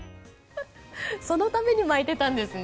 そのために巻いてたんですね。